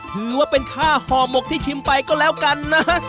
ถือว่าเป็นค่าห่อหมกที่ชิมไปก็แล้วกันนะ